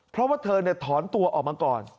เพราะว่าเธอถอนตัวออกมาก่อน